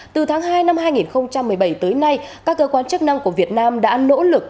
từ tháng hai năm hai nghìn một mươi bảy tới nay các cơ quan chức năng của việt nam đã nỗ lực